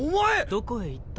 どこへ行った？